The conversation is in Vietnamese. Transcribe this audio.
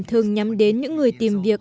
thường nhắm đến những người tìm việc